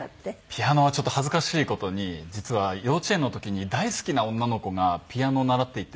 ピアノはちょっと恥ずかしい事に実は幼稚園の時に大好きな女の子がピアノを習っていて。